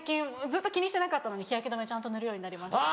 ずっと気にしてなかったのに日焼け止め塗るようになりました。